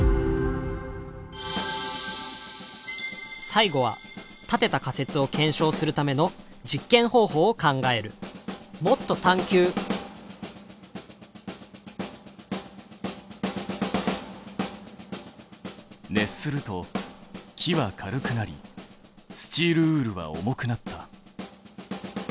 最後は立てた仮説を検証するための実験方法を考える熱すると木は軽くなりスチールウールは重くなった。